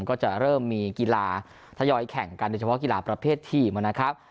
ก็จะเริ่มมีกีฬาทยอยแข่งกันโดยเฉพาะกีฬาประเภททีมนะครับ